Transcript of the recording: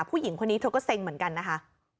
ผู้หญิงคนนี้เธอก็เซ็งเหมือนกันนะคะ